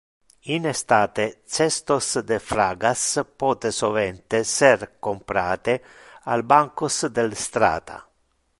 In estate cestos de fragas pote sovente ser comprate al bancos del strata